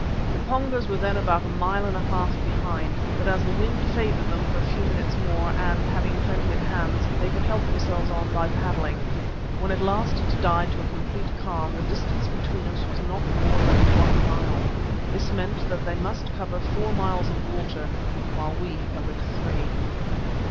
The Pongos were then about a mile and a half behind. But as the wind favoured them for a few minutes more and, having plenty of hands, they could help themselves on by paddling, when at last it died to a complete calm, the distance between us was not more than one mile. This meant that they must cover four miles of water, while we covered three.